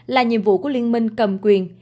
là nhiệm vụ của liên minh cầm quyền